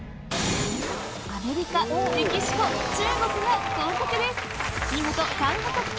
アメリカ、メキシコ、中国が合格です。